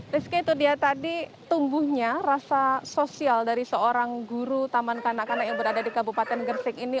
rizky itu dia tadi tumbuhnya rasa sosial dari seorang guru taman kanak kanak yang berada di kabupaten gresik ini